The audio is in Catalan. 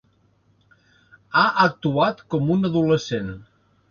Ha actuat com un adolescent.